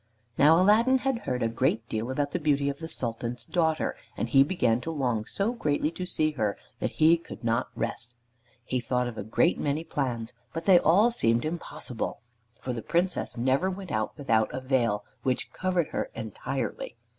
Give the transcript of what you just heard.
Now Aladdin had heard a great deal about the beauty of the Sultan's daughter, and he began to long so greatly to see her that he could not rest. He thought of a great many plans, but they all seemed impossible, for the Princess never went out without a veil, which covered her entirely.